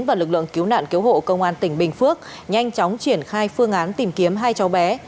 và lực lượng cứu nạn cứu hộ công an tỉnh bình phước nhanh chóng triển khai phương án tìm kiếm hai cháu bé